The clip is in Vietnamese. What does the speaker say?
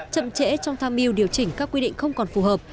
chậm trễ trong tham mưu điều chỉnh các quy định không còn phù hợp